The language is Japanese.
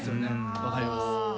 分かります。